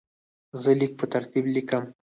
زه لیک په ترتیب لیکم.